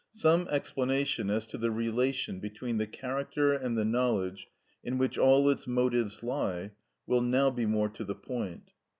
Some explanation as to the relation between the character and the knowledge in which all its motives lie, will now be more to the point.